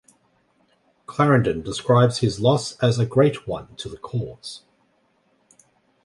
Clarendon describes his loss as a great one to the cause.